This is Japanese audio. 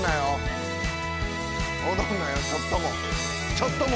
ちょっとも。